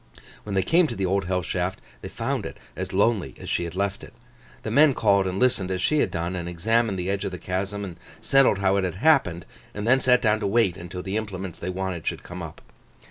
When they came to the Old Hell Shaft, they found it as lonely as she had left it. The men called and listened as she had done, and examined the edge of the chasm, and settled how it had happened, and then sat down to wait until the implements they wanted should come up.